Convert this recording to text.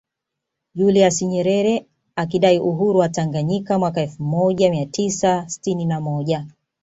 Julius Nyerere akidai uhuru wa Tanganyika mwaka elfu moja mia tisa sitini na moja